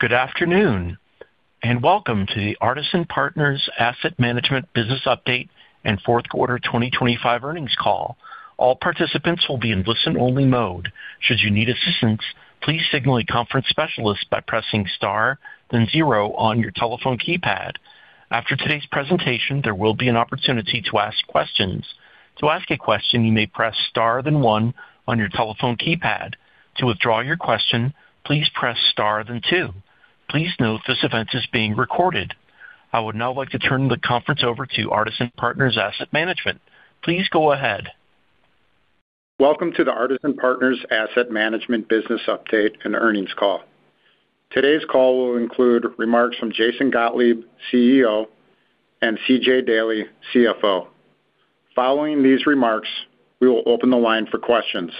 Good afternoon, and welcome to the Artisan Partners Asset Management Business Update and Fourth Quarter 2025 Earnings Call. All participants will be in listen-only mode. Should you need assistance, please signal a conference specialist by pressing Star, then zero on your telephone keypad. After today's presentation, there will be an opportunity to ask questions. To ask a question, you may press Star, then one on your telephone keypad. To withdraw your question, please press Star, then two. Please note, this event is being recorded. I would now like to turn the conference over to Artisan Partners Asset Management. Please go ahead. Welcome to the Artisan Partners Asset Management Business Update and Earnings Call. Today's call will include remarks from Jason Gottlieb, CEO, and C.J. Daley, CFO. Following these remarks, we will open the line for questions.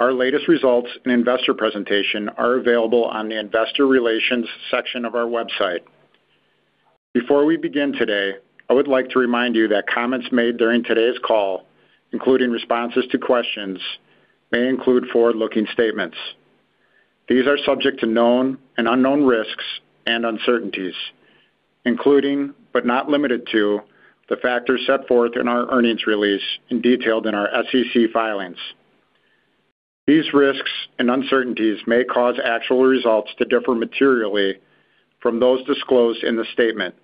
Our latest results and investor presentation are available on the Investor Relations section of our website. Before we begin today, I would like to remind you that comments made during today's call, including responses to questions, may include forward-looking statements. These are subject to known and unknown risks and uncertainties, including, but not limited to, the factors set forth in our earnings release and detailed in our SEC filings. These risks and uncertainties may cause actual results to differ materially from those disclosed in the statement,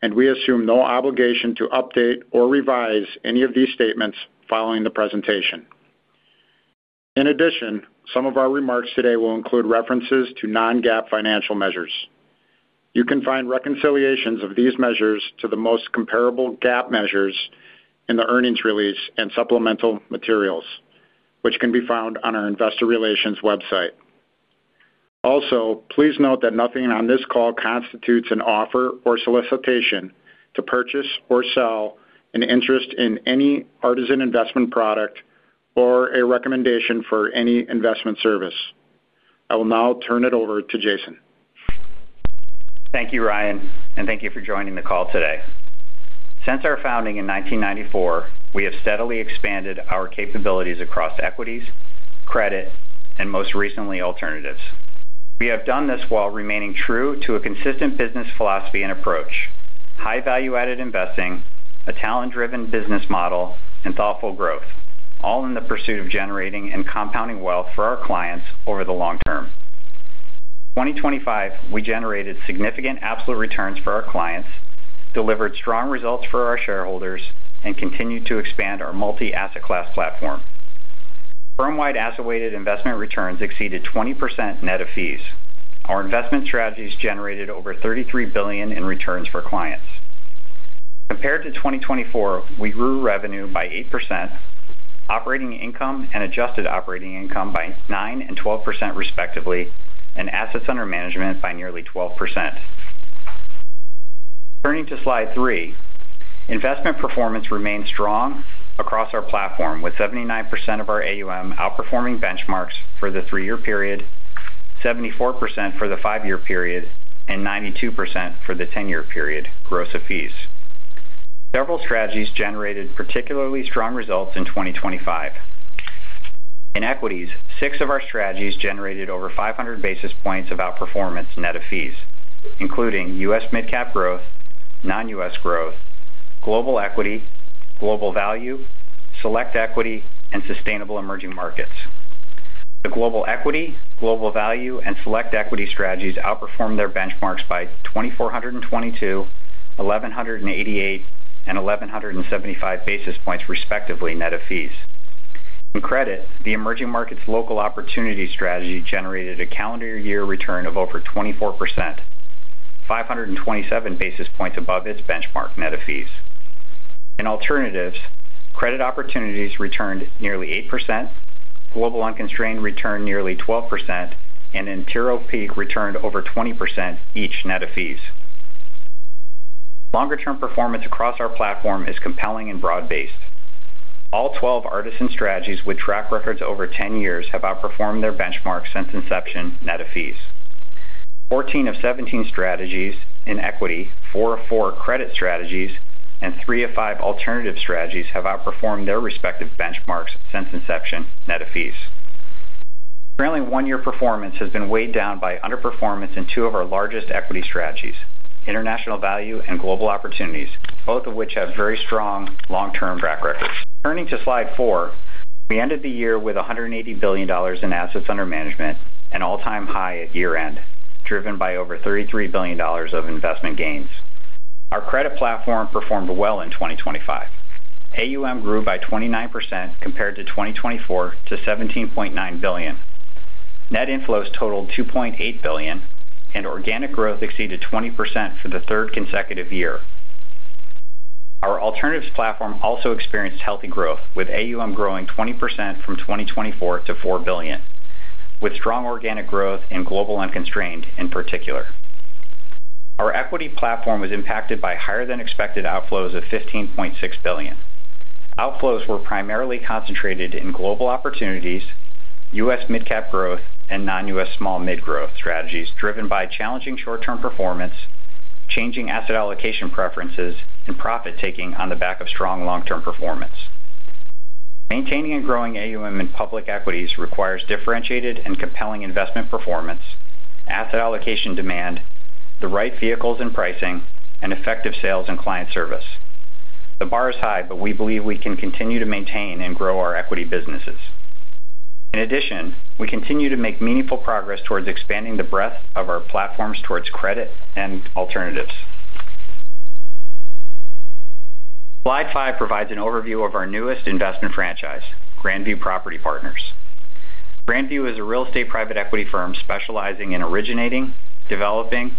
and we assume no obligation to update or revise any of these statements following the presentation. In addition, some of our remarks today will include references to non-GAAP financial measures. You can find reconciliations of these measures to the most comparable GAAP measures in the earnings release and supplemental materials, which can be found on our Investor Relations website. Also, please note that nothing on this call constitutes an offer or solicitation to purchase or sell an interest in any Artisan investment product or a recommendation for any investment service. I will now turn it over to Jason. Thank you, Ryan, and thank you for joining the call today. Since our founding in 1994, we have steadily expanded our capabilities across equities, credit, and most recently, alternatives. We have done this while remaining true to a consistent business philosophy and approach, high value-added investing, a talent-driven business model, and thoughtful growth, all in the pursuit of generating and compounding wealth for our clients over the long term. 2025, we generated significant absolute returns for our clients, delivered strong results for our shareholders, and continued to expand our multi-asset class platform. Firm-wide asset-weighted investment returns exceeded 20% net of fees. Our investment strategies generated over $33 billion in returns for clients. Compared to 2024, we grew revenue by 8%, operating income and adjusted operating income by 9% and 12%, respectively, and assets under management by nearly 12%. Turning to Slide 3, investment performance remained strong across our platform, with 79% of our AUM outperforming benchmarks for the 3-year period, 74% for the 5-year period, and 92% for the 10-year period, gross of fees. Several strategies generated particularly strong results in 2025. In equities, six of our strategies generated over 500 basis points of outperformance net of fees, including U.S. Mid-Cap Growth, Non-U.S. Growth, Global Equity, Global Value, Select Equity, and Sustainable Emerging Markets. The Global Equity, Global Value, and Select Equity strategies outperformed their benchmarks by 2,422, 1,188, and 1,175 basis points, respectively, net of fees. In credit, the Emerging Markets Local Opportunities Strategy generated a calendar year return of over 24%, 527 basis points above its benchmark net of fees. In alternatives, Credit Opportunities returned nearly 8%, Global Unconstrained returned nearly 12%, and Antero Peak returned over 20%, each net of fees. Longer-term performance across our platform is compelling and broad-based. All 12 Artisan strategies with track records over 10 years have outperformed their benchmark since inception, net of fees. 14 of 17 strategies in equity, 4 of 4 credit strategies, and 3 of 5 alternative strategies have outperformed their respective benchmarks since inception, net of fees. Currently, 1-year performance has been weighed down by underperformance in 2 of our largest equity strategies, International Value and Global Opportunities, both of which have very strong long-term track records. Turning to Slide 4, we ended the year with $180 billion in assets under management, an all-time high at year-end, driven by over $33 billion of investment gains. Our credit platform performed well in 2025. AUM grew by 29% compared to 2024 to $17.9 billion. Net inflows totaled $2.8 billion, and organic growth exceeded 20% for the third consecutive year. Our alternatives platform also experienced healthy growth, with AUM growing 20% from 2024 to $4 billion, with strong organic growth in Global Unconstrained in particular. Our equity platform was impacted by higher than expected outflows of $15.6 billion. Outflows were primarily concentrated in Global Opportunities, U.S. Mid-Cap Growth, and Non-U.S. Small-Mid Growth strategies, driven by challenging short-term performance, changing asset allocation preferences, and profit-taking on the back of strong long-term performance.... Maintaining and growing AUM in public equities requires differentiated and compelling investment performance, asset allocation demand, the right vehicles and pricing, and effective sales and client service. The bar is high, but we believe we can continue to maintain and grow our equity businesses. In addition, we continue to make meaningful progress towards expanding the breadth of our platforms towards credit and alternatives. Slide 5 provides an overview of our newest investment franchise, Grandview Property Partners. Grandview is a real estate private equity firm specializing in originating, developing,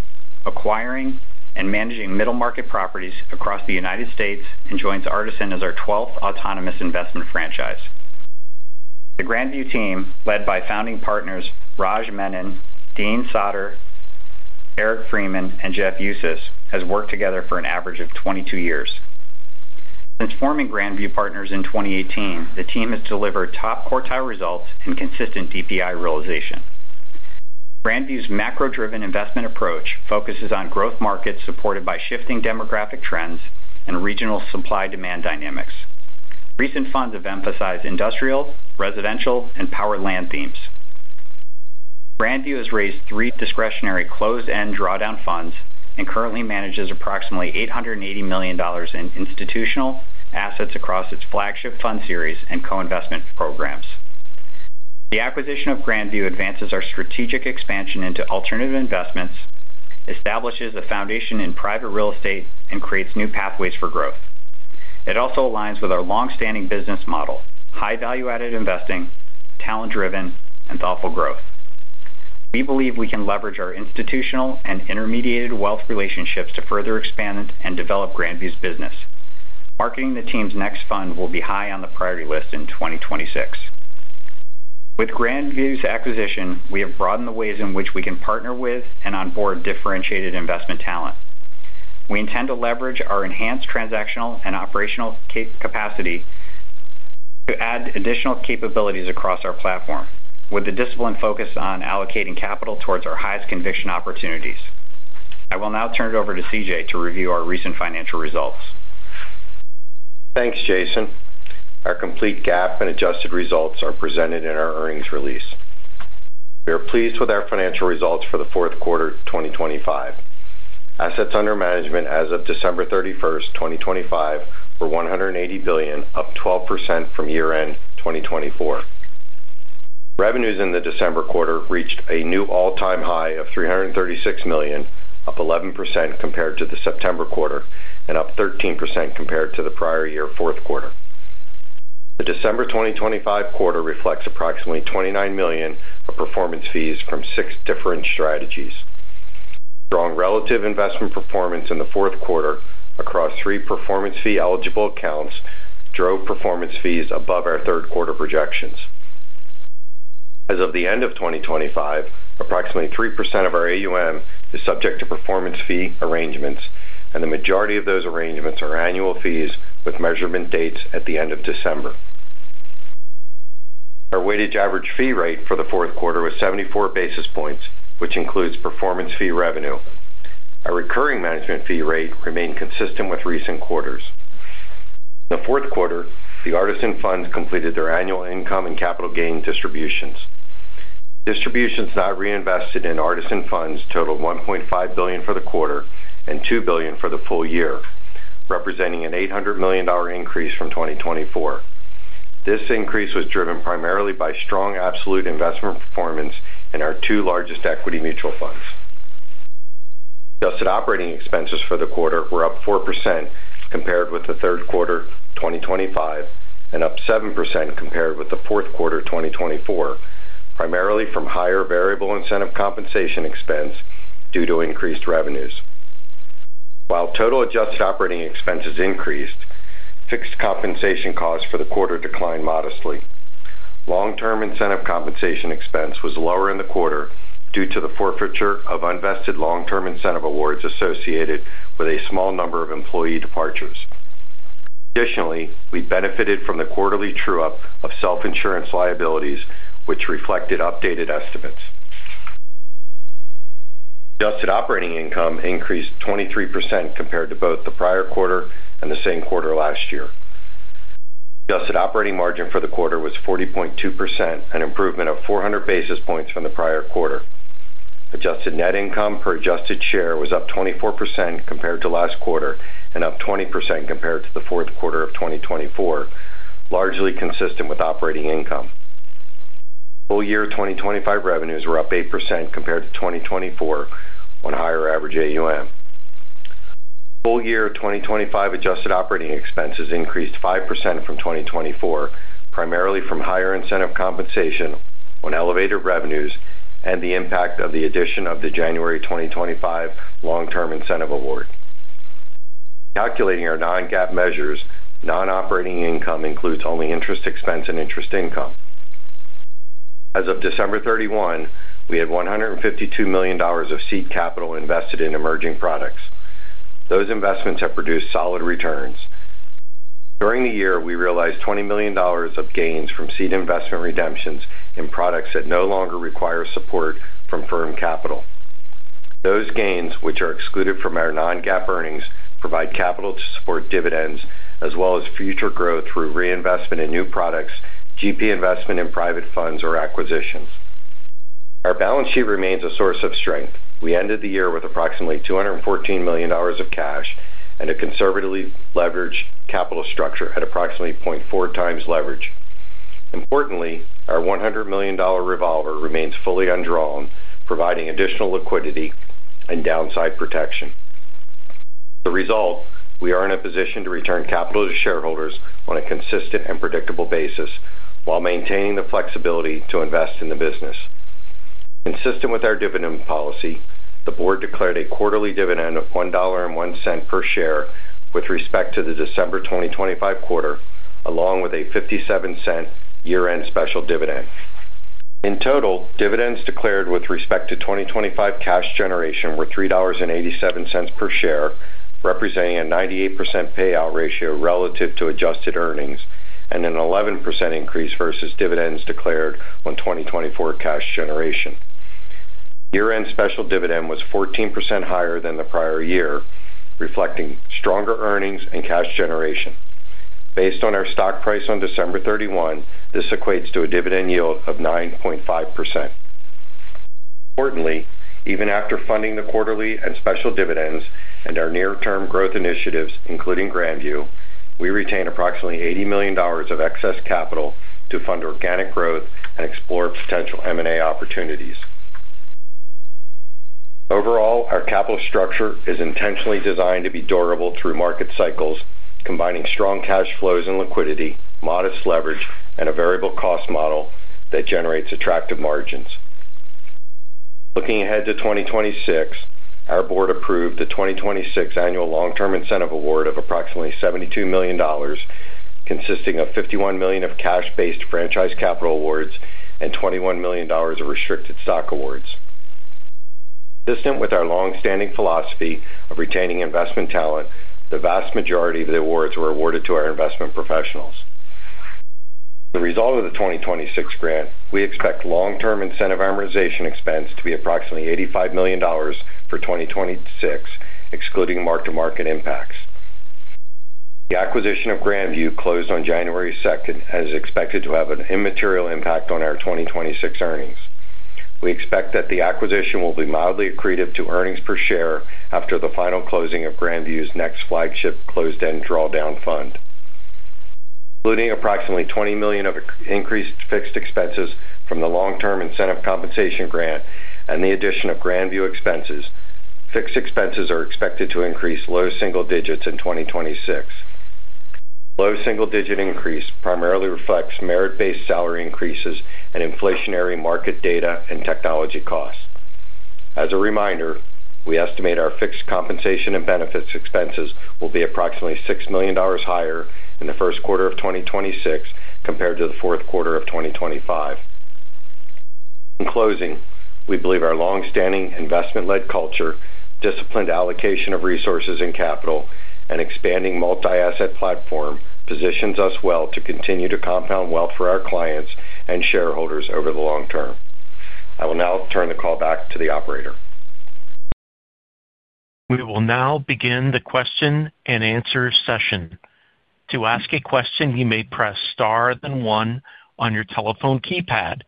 acquiring, and managing middle-market properties across the United States and joins Artisan as our 12th autonomous investment franchise. The Grandview team, led by founding partners Raj Menon, Dean Soter, Eric Freeman, and Jeff Yusko, has worked together for an average of 22 years. Since forming Grandview Partners in 2018, the team has delivered top quartile results and consistent DPI realization. Grandview's macro-driven investment approach focuses on growth markets supported by shifting demographic trends and regional supply-demand dynamics. Recent funds have emphasized industrial, residential, and power, land themes. Grandview has raised three discretionary closed-end drawdown funds and currently manages approximately $880 million in institutional assets across its flagship fund series and co-investment programs. The acquisition of Grandview advances our strategic expansion into alternative investments, establishes a foundation in private real estate, and creates new pathways for growth. It also aligns with our long-standing business model, high value-added investing, talent-driven, and thoughtful growth. We believe we can leverage our institutional and intermediated wealth relationships to further expand and develop Grandview's business. Marketing the team's next fund will be high on the priority list in 2026. With Grandview's acquisition, we have broadened the ways in which we can partner with and onboard differentiated investment talent. We intend to leverage our enhanced transactional and operational capacity to add additional capabilities across our platform, with a disciplined focus on allocating capital towards our highest conviction opportunities. I will now turn it over to C.J. to review our recent financial results. Thanks, Jason. Our complete GAAP and adjusted results are presented in our earnings release. We are pleased with our financial results for the fourth quarter 2025. Assets under management as of December 31, 2025, were $180 billion, up 12% from year-end 2024. Revenues in the December quarter reached a new all-time high of $336 million, up 11% compared to the September quarter and up 13% compared to the prior year fourth quarter. The December 2025 quarter reflects approximately $29 million of performance fees from 6 different strategies. Strong relative investment performance in the fourth quarter across 3 performance fee-eligible accounts drove performance fees above our third quarter projections. As of the end of 2025, approximately 3% of our AUM is subject to performance fee arrangements, and the majority of those arrangements are annual fees with measurement dates at the end of December. Our weighted average fee rate for the fourth quarter was 74 basis points, which includes performance fee revenue. Our recurring management fee rate remained consistent with recent quarters. In the fourth quarter, the Artisan funds completed their annual income and capital gain distributions. Distributions now reinvested in Artisan funds totaled $1.5 billion for the quarter and $2 billion for the full year, representing an $800 million increase from 2024. This increase was driven primarily by strong absolute investment performance in our two largest equity mutual funds. Adjusted operating expenses for the quarter were up 4% compared with the third quarter 2025, and up 7% compared with the fourth quarter 2024, primarily from higher variable incentive compensation expense due to increased revenues. While total adjusted operating expenses increased, fixed compensation costs for the quarter declined modestly. Long-term incentive compensation expense was lower in the quarter due to the forfeiture of unvested long-term incentive awards associated with a small number of employee departures. Additionally, we benefited from the quarterly true-up of self-insurance liabilities, which reflected updated estimates. Adjusted operating income increased 23% compared to both the prior quarter and the same quarter last year. Adjusted operating margin for the quarter was 40.2%, an improvement of 400 basis points from the prior quarter. Adjusted net income per adjusted share was up 24% compared to last quarter and up 20% compared to the fourth quarter of 2024, largely consistent with operating income. Full year 2025 revenues were up 8% compared to 2024 on higher average AUM. Full year 2025 adjusted operating expenses increased 5% from 2024, primarily from higher incentive compensation on elevated revenues and the impact of the addition of the January 2025 long-term incentive award. Calculating our non-GAAP measures, non-operating income includes only interest expense and interest income. As of December 31, we had $152 million of seed capital invested in emerging products. Those investments have produced solid returns. During the year, we realized $20 million of gains from seed investment redemptions in products that no longer require support from firm capital. Those gains, which are excluded from our non-GAAP earnings, provide capital to support dividends as well as future growth through reinvestment in new products, GP investment in private funds or acquisitions. Our balance sheet remains a source of strength. We ended the year with approximately $214 million of cash and a conservatively leveraged capital structure at approximately 0.4x leverage. Importantly, our $100 million revolver remains fully undrawn, providing additional liquidity and downside protection. The result, we are in a position to return capital to shareholders on a consistent and predictable basis while maintaining the flexibility to invest in the business. Consistent with our dividend policy, the board declared a quarterly dividend of $1.01 per share with respect to the December 2025 quarter, along with a 57-cent year-end special dividend. In total, dividends declared with respect to 2025 cash generation were $3.87 per share, representing a 98% payout ratio relative to adjusted earnings and an 11% increase versus dividends declared on 2024 cash generation. Year-end special dividend was 14% higher than the prior year, reflecting stronger earnings and cash generation. Based on our stock price on December 31, this equates to a dividend yield of 9.5%. Importantly, even after funding the quarterly and special dividends and our near-term growth initiatives, including Grandview, we retain approximately $80 million of excess capital to fund organic growth and explore potential M&A opportunities. Overall, our capital structure is intentionally designed to be durable through market cycles, combining strong cash flows and liquidity, modest leverage, and a variable cost model that generates attractive margins. Looking ahead to 2026, our board approved the 2026 annual long-term incentive award of approximately $72 million, consisting of $51 million of cash-based franchise capital awards and $21 million of restricted stock awards. Consistent with our long-standing philosophy of retaining investment talent, the vast majority of the awards were awarded to our investment professionals. The result of the 2026 grant, we expect long-term incentive amortization expense to be approximately $85 million for 2026, excluding mark-to-market impacts. The acquisition of Grandview closed on January 2nd and is expected to have an immaterial impact on our 2026 earnings. We expect that the acquisition will be mildly accretive to earnings per share after the final closing of Grandview's next flagship closed-end drawdown fund. Including approximately $20 million of increased fixed expenses from the long-term incentive compensation grant and the addition of Grandview expenses, fixed expenses are expected to increase low single digits in 2026. Low single-digit increase primarily reflects merit-based salary increases and inflationary market data and technology costs. As a reminder, we estimate our fixed compensation and benefits expenses will be approximately $6 million higher in the first quarter of 2026 compared to the fourth quarter of 2025. In closing, we believe our long-standing investment-led culture, disciplined allocation of resources and capital, and expanding multi-asset platform positions us well to continue to compound wealth for our clients and shareholders over the long term. I will now turn the call back to the operator. We will now begin the question and answer session. To ask a question, you may press star, then one on your telephone keypad.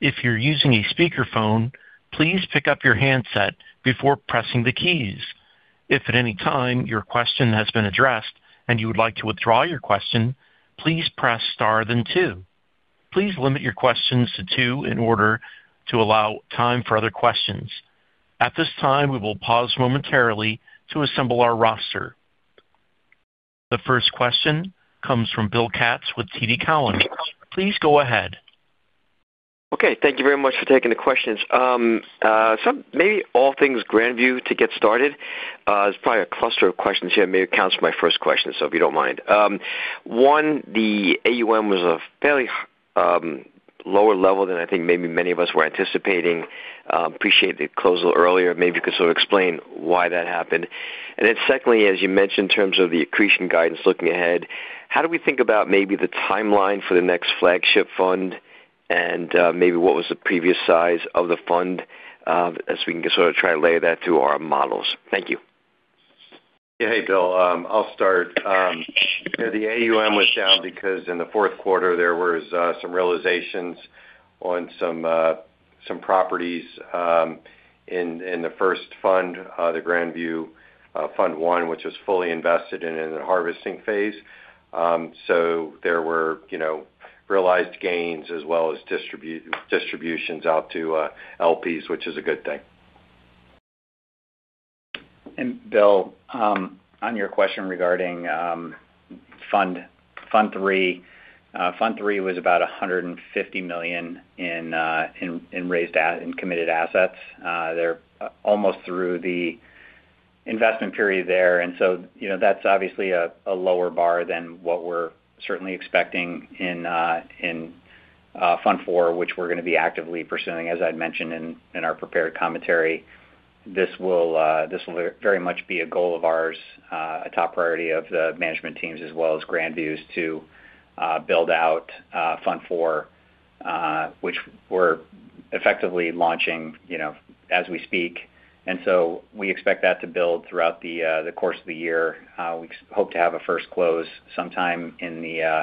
If you're using a speakerphone, please pick up your handset before pressing the keys. If at any time your question has been addressed and you would like to withdraw your question, please press star, then two. Please limit your questions to two in order to allow time for other questions. At this time, we will pause momentarily to assemble our roster. The first question comes from Bill Katz with TD Cowen. Please go ahead. Okay, thank you very much for taking the questions. Maybe all things Grandview to get started. It's probably a cluster of questions here. Maybe it counts for my first question, so if you don't mind. One, the AUM was a fairly lower level than I think maybe many of us were anticipating. Appreciate the close a little earlier. Maybe you could sort of explain why that happened. And then secondly, as you mentioned, in terms of the accretion guidance, looking ahead, how do we think about maybe the timeline for the next flagship fund, and maybe what was the previous size of the fund, as we can sort of try to layer that to our models? Thank you. Hey, Bill. I'll start. The AUM was down because in the fourth quarter, there was some realizations on some properties in the first fund, the Grandview Fund I, which is fully invested and in the harvesting phase. So there were, you know, realized gains as well as distributions out to LPs, which is a good thing. And Bill, on your question regarding Fund III, Fund III was about $150 million in committed assets. They're almost through the investment period there, and so, you know, that's obviously a lower bar than what we're certainly expecting in Fund IV, which we're going to be actively pursuing. As I'd mentioned in our prepared commentary, this will very much be a goal of ours, a top priority of the management teams as well as Grandview's to build out Fund IV, which we're effectively launching, you know, as we speak. And so we expect that to build throughout the course of the year. We hope to have a first close sometime in the,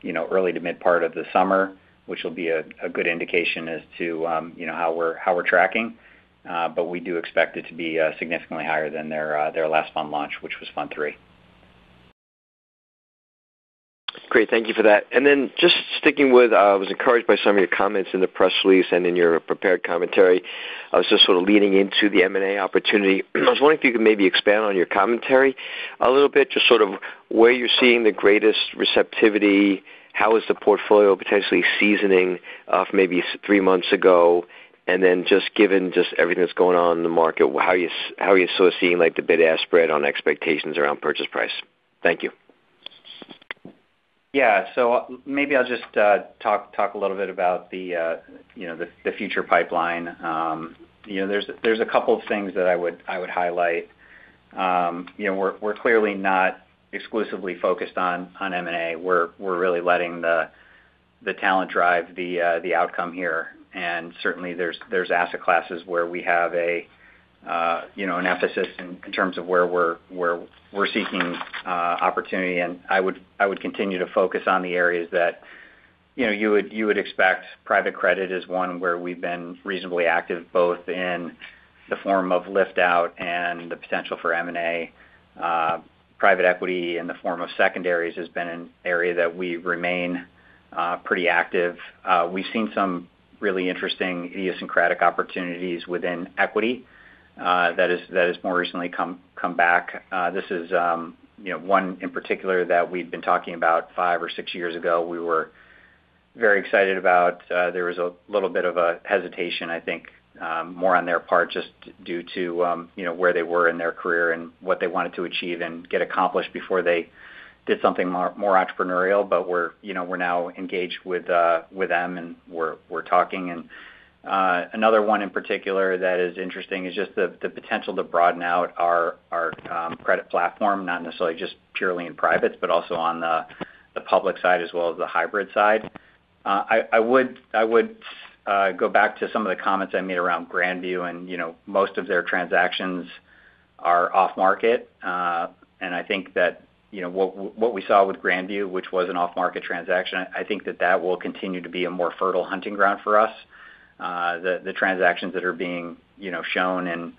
you know, early to mid part of the summer, which will be a good indication as to, you know, how we're tracking. But we do expect it to be significantly higher than their last fund launch, which was Fund III. Great. Thank you for that. And then just sticking with, I was encouraged by some of your comments in the press release and in your prepared commentary. I was just sort of leaning into the M&A opportunity. I was wondering if you could maybe expand on your commentary a little bit, just sort of where you're seeing the greatest receptivity, how is the portfolio potentially seasoning off maybe three months ago? And then just given just everything that's going on in the market, how are you sort of seeing, like, the bid-ask spread on expectations around purchase price? Thank you. Yeah. So maybe I'll just talk a little bit about the, you know, the future pipeline. You know, there's a couple of things that I would highlight. You know, we're clearly not exclusively focused on M&A. We're really letting the talent drive the outcome here. And certainly, there's asset classes where we have a, you know, an emphasis in terms of where we're seeking opportunity. And I would continue to focus on the areas that, you know, you would expect. Private credit is one where we've been reasonably active, both in the form of lift out and the potential for M&A. Private equity in the form of secondaries has been an area that we remain pretty active. We've seen some really interesting idiosyncratic opportunities within equity that has more recently come back. This is, you know, one in particular that we've been talking about five or six years ago. We were very excited about... There was a little bit of a hesitation, I think, more on their part, just due to, you know, where they were in their career and what they wanted to achieve and get accomplished before they did something more entrepreneurial. But we're, you know, we're now engaged with them, and we're talking. And another one in particular that is interesting is just the potential to broaden out our credit platform, not necessarily just purely in privates, but also on the public side as well as the hybrid side. I would go back to some of the comments I made around Grandview and, you know, most of their transactions are off market. And I think that, you know, what we saw with Grandview, which was an off-market transaction, I think that that will continue to be a more fertile hunting ground for us. The transactions that are being, you know, shown and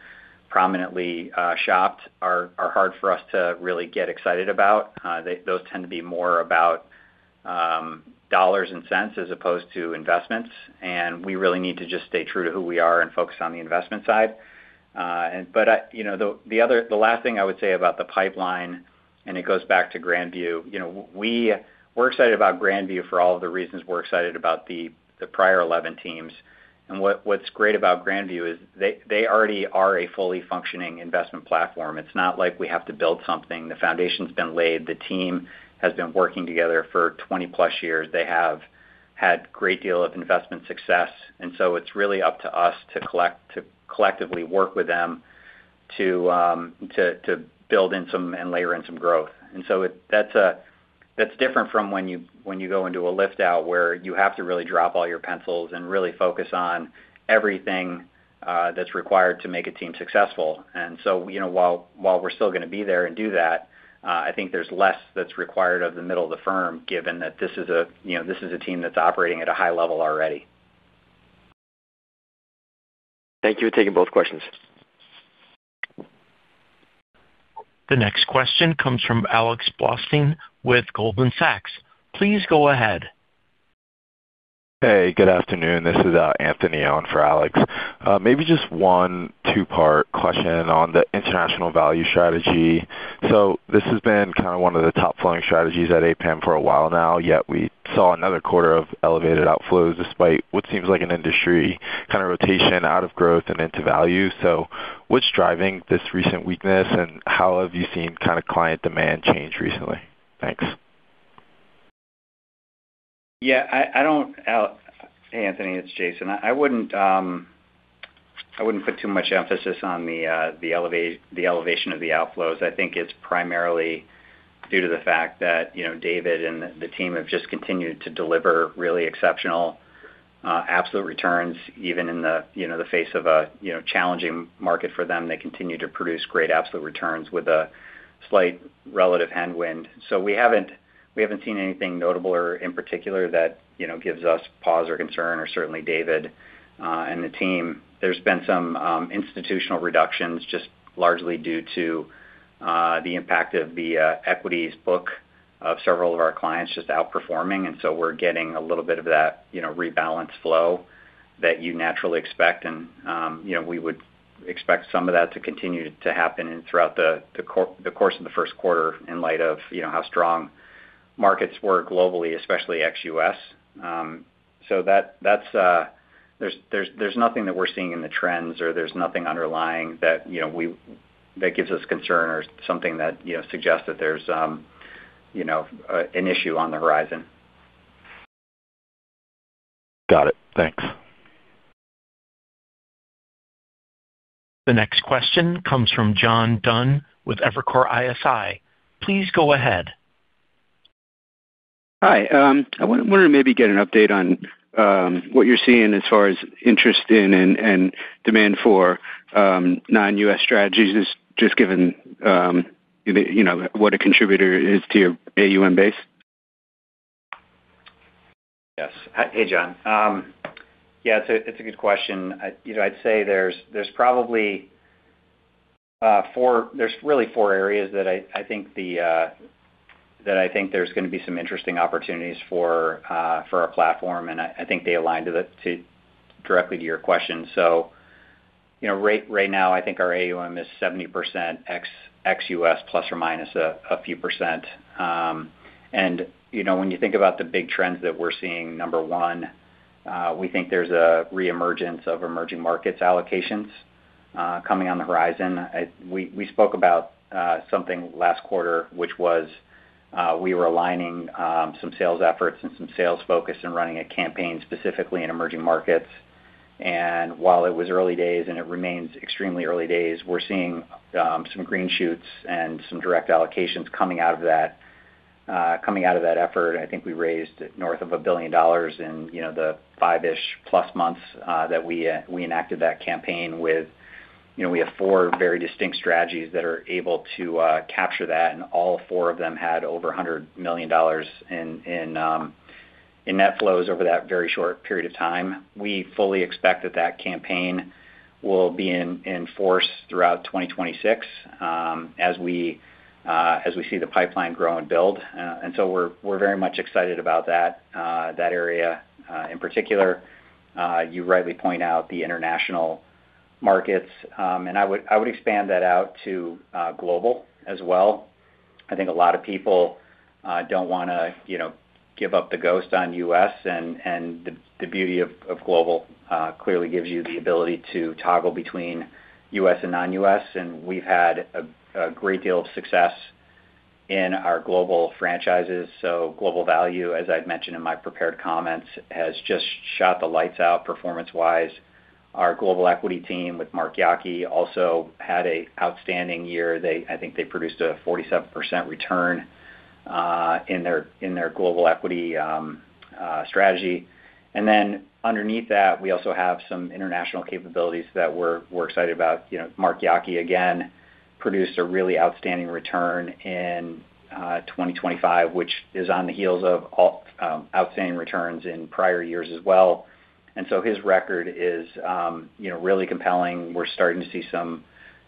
prominently shopped are hard for us to really get excited about. They—those tend to be more about dollars and cents as opposed to investments, and we really need to just stay true to who we are and focus on the investment side. And but I—you know, the other—the last thing I would say about the pipeline, and it goes back to Grandview. You know, we're excited about Grandview for all of the reasons we're excited about the prior 11 teams. And what's great about Grandview is they already are a fully functioning investment platform. It's not like we have to build something. The foundation's been laid. The team has been working together for 20+ years. They have had a great deal of investment success, and so it's really up to us to collectively work with them to build in some and layer in some growth. And so that's different from when you go into a lift out, where you have to really drop all your pencils and really focus on everything that's required to make a team successful. And so, you know, while we're still gonna be there and do that, I think there's less that's required of the middle of the firm, given that this is a, you know, this is a team that's operating at a high level already. Thank you for taking both questions. The next question comes from Alex Blostein with Goldman Sachs. Please go ahead. Hey, good afternoon. This is, Anthony on for Alex. Maybe just one two-part question on the International Value Strategy. So this has been kind of one of the top flowing strategies at APM for a while now, yet we saw another quarter of elevated outflows, despite what seems like an industry kind of rotation out of growth and into value. So what's driving this recent weakness, and how have you seen kind of client demand change recently? Thanks. Yeah, I don't—Al—Hey, Anthony, it's Jason. I wouldn't put too much emphasis on the elevation of the outflows. I think it's primarily due to the fact that, you know, David and the team have just continued to deliver really exceptional absolute returns, even in the, you know, the face of a, you know, challenging market for them. They continue to produce great absolute returns with a slight relative headwind. So we haven't seen anything notable or in particular that, you know, gives us pause or concern or certainly David and the team. There's been some institutional reductions, just largely due to the impact of the equities book of several of our clients just outperforming, and so we're getting a little bit of that, you know, rebalance flow that you naturally expect. You know, we would expect some of that to continue to happen and throughout the course of the first quarter in light of, you know, how strong markets were globally, especially ex-U.S. So that's... There's nothing that we're seeing in the trends or there's nothing underlying that, you know, that gives us concern or something that, you know, suggests that there's, you know, an issue on the horizon. Got it. Thanks! The next question comes from John Dunn with Evercore ISI. Please go ahead. Hi. I wanted to maybe get an update on what you're seeing as far as interest in and demand for non-U.S. strategies, just given, you know, what a contributor is to your AUM base? Yes. Hey, John. Yeah, it's a, it's a good question. I-- you know, I'd say there's, there's probably, four... There's really four areas that I, I think the, that I think there's gonna be some interesting opportunities for, for our platform, and I, I think they align to the-- to directly to your question. You know, right now, I think our AUM is 70% ex, ex-U.S., plus or minus a few percent. You know, when you think about the big trends that we're seeing, number one, we think there's a reemergence of emerging markets allocations coming on the horizon. I-- we, we spoke about something last quarter, which was, we were aligning some sales efforts and some sales focus and running a campaign specifically in emerging markets. While it was early days, and it remains extremely early days, we're seeing some green shoots and some direct allocations coming out of that, coming out of that effort. I think we raised north of $1 billion in the five-ish plus months that we enacted that campaign with. You know, we have four very distinct strategies that are able to capture that, and all four of them had over $100 million in net flows over that very short period of time. We fully expect that that campaign will be in force throughout 2026, as we see the pipeline grow and build. We're very much excited about that area in particular. You rightly point out the international markets, and I would expand that out to global as well. I think a lot of people don't wanna, you know, give up the ghost on U.S., and the beauty of global clearly gives you the ability to toggle between U.S. and non-U.S. And we've had a great deal of success in our global franchises. So Global Value, as I've mentioned in my prepared comments, has just shot the lights out performance-wise. Our Global Equity team with Mark Yockey also had an outstanding year. They. I think they produced a 47% return in their Global Equity strategy. And then underneath that, we also have some international capabilities that we're excited about. You know, Mark Yockey, again, produced a really outstanding return in 2025, which is on the heels of all outstanding returns in prior years as well. And so his record is, you know, really compelling. We're starting to see some,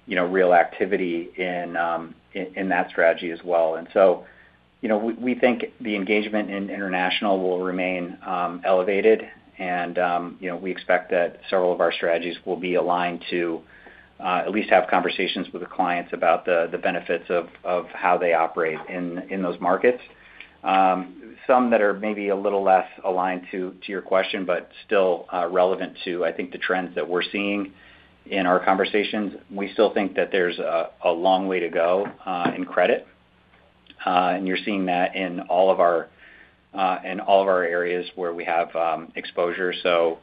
you know, real activity in that strategy as well. And so, you know, we think the engagement in international will remain elevated, and you know, we expect that several of our strategies will be aligned to at least have conversations with the clients about the benefits of how they operate in those markets. Some that are maybe a little less aligned to your question, but still relevant to, I think, the trends that we're seeing in our conversations. We still think that there's a long way to go in credit, and you're seeing that in all of our areas where we have exposure. So,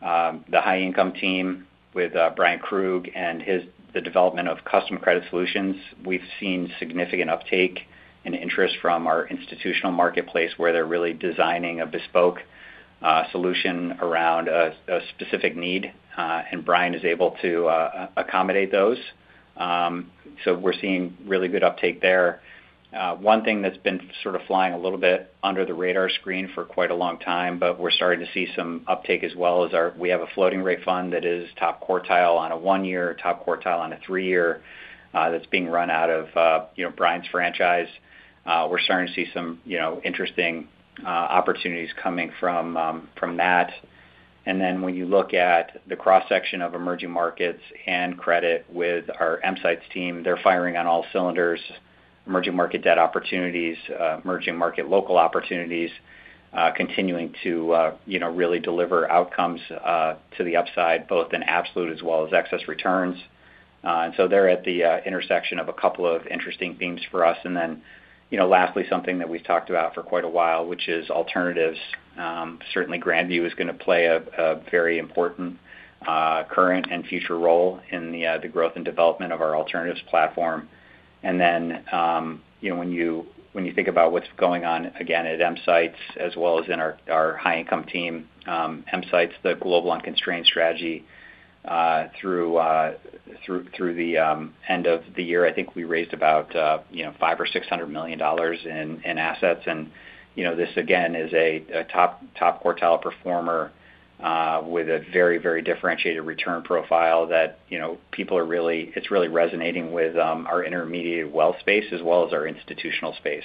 the High Income team with Brian Krug and his the development of custom credit solutions, we've seen significant uptake and interest from our institutional marketplace, where they're really designing a bespoke solution around a specific need, and Brian is able to accommodate those. So we're seeing really good uptake there. One thing that's been sort of flying a little bit under the radar screen for quite a long time, but we're starting to see some uptake as well, is our—we have a Floating Rate Fund that is top quartile on a one-year, top quartile on a three-year, that's being run out of, you know, Brian's franchise. We're starting to see some, you know, interesting opportunities coming from, from that. And then when you look at the cross-section of emerging markets and credit with our EMsights team, they're firing on all cylinders, Emerging Markets Debt Opportunities, Emerging Markets Local Opportunities, continuing to, you know, really deliver outcomes, to the upside, both in absolute as well as excess returns. And so they're at the intersection of a couple of interesting themes for us. And then, you know, lastly, something that we've talked about for quite a while, which is alternatives. Certainly Grandview is gonna play a very important current and future role in the growth and development of our alternatives platform. And then, you know, when you think about what's going on, again, at EMsights as well as in our High Income team, EMsights, the Global Unconstrained strategy, through the end of the year, I think we raised about, you know, $500 million-$600 million in assets. And, you know, this again is a top quartile performer with a very differentiated return profile that, you know, people are really—it's really resonating with our intermediated wealth space, as well as our institutional space.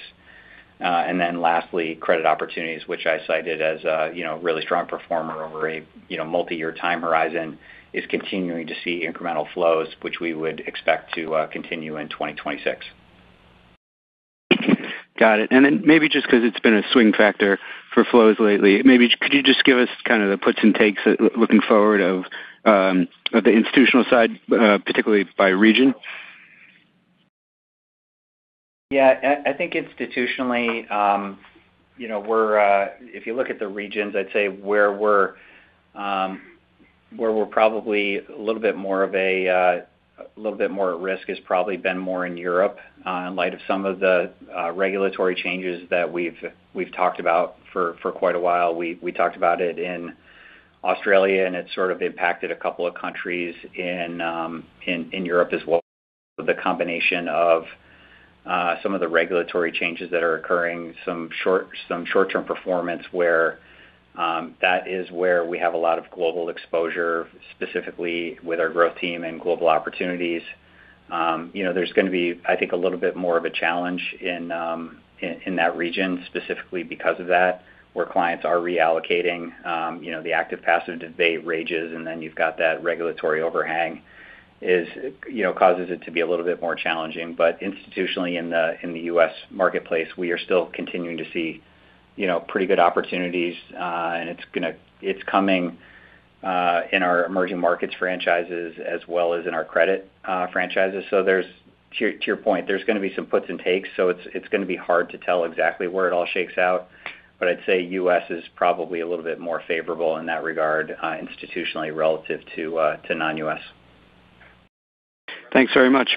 And then lastly, Credit Opportunities, which I cited as a, you know, really strong performer over a, you know, multi-year time horizon, is continuing to see incremental flows, which we would expect to continue in 2026. Got it. And then maybe just because it's been a swing factor for flows lately, maybe could you just give us kind of the puts and takes looking forward of the institutional side, particularly by region? Yeah. I think institutionally, you know, we're... If you look at the regions, I'd say where we're probably a little bit more of a little bit more at risk has probably been more in Europe, in light of some of the regulatory changes that we've talked about for quite a while. We talked about it in Australia, and it sort of impacted a couple of countries in Europe as well. The combination of some of the regulatory changes that are occurring, some short-term performance where that is where we have a lot of global exposure, specifically with our growth team and Global Opportunities. You know, there's gonna be, I think, a little bit more of a challenge in, in that region, specifically because of that, where clients are reallocating. You know, the active, passive debate rages, and then you've got that regulatory overhang -- you know, causes it to be a little bit more challenging. But institutionally, in the, in the U.S. marketplace, we are still continuing to see, you know, pretty good opportunities, and it's gonna-- it's coming, in our emerging markets franchises as well as in our credit, franchises. So there's -- to, to your point, there's gonna be some puts and takes, so it's, it's gonna be hard to tell exactly where it all shakes out. But I'd say U.S. is probably a little bit more favorable in that regard, institutionally relative to, to non-U.S. Thanks very much.